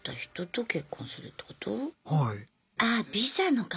はい。